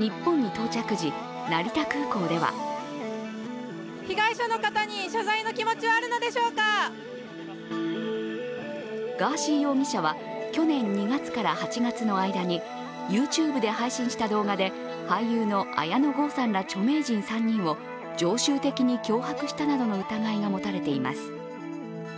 日本に到着時、成田空港ではガーシー容疑者は去年２月から８月の間にＹｏｕＴｕｂｅで配信した動画で俳優の綾野剛さんら著名人３人を常習的に脅迫したなどの疑いが持たれています。